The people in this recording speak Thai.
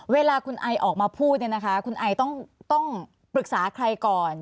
เวลาคุณไอออกมาพูดเนี่ยนะคะคุณไอต้องปรึกษาใครก่อน